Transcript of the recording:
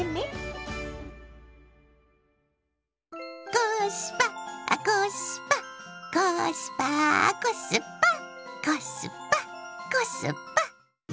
コースパコスパコスパーコスパコスパコスパ。